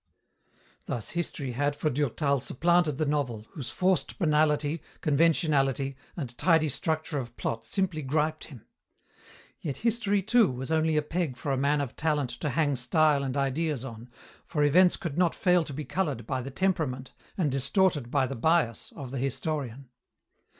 Thus history had for Durtal supplanted the novel, whose forced banality, conventionality, and tidy structure of plot simply griped him. Yet history, too, was only a peg for a man of talent to hang style and ideas on, for events could not fail to be coloured by the temperament and distorted by the bias of the historian.